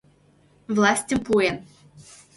Властьым пуэн.